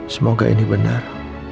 semoga ini benar